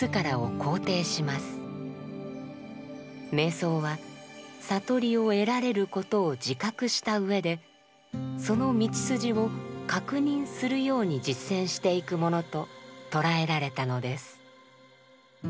瞑想は悟りを得られることを自覚したうえでその道筋を確認するように実践していくものと捉えられたのです。